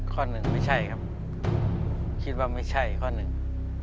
ข้อหนึ่งไม่ใช่ครับคิดว่าไม่ใช่ข้อหนึ่ง